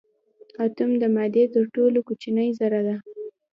اتوم د مادې تر ټولو کوچنۍ ذره ده.